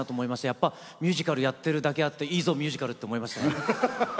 やっぱりミュージカルやっているだけあっていいぞ、ミュージカル！って思いましたね。